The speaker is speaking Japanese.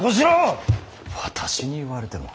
私に言われても。